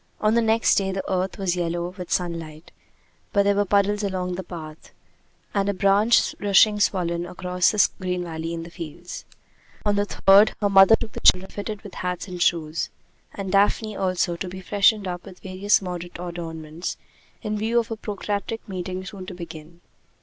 On the next day the earth was yellow with sunlight, but there were puddles along the path, and a branch rushing swollen across the green valley in the fields. On the third, her mother took the children to town to be fitted with hats and shoes, and Daphne also, to be freshened up with various moderate adornments, in view of a protracted meeting soon to begin.